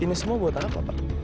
ini semua buat apa pak